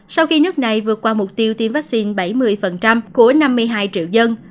sau khi nước này vượt qua mục tiêu tiêm vaccine bảy mươi của năm mươi hai triệu dân